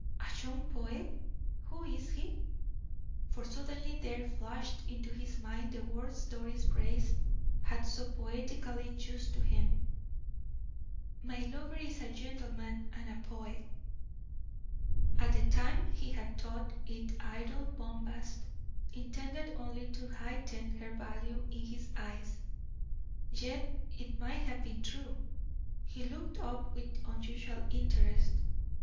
"A young poet? who is he?" for suddenly there flashed into his mind the words Doris Brace had so poetically used to him: "My lover is a gentleman and a poet." At the time he had thought it idle bombast, intended only to heighten her value in his eyes yet it might have been true. He looked up with unusual interest.